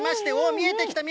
見えてきた。